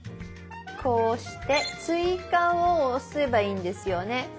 こうして「追加」を押せばいいんですよね？